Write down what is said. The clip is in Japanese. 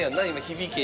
『響け！